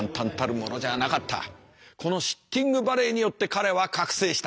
このシッティングバレーによって彼は覚醒した。